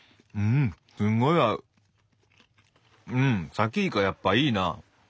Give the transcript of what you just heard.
さきイカやっぱいいな。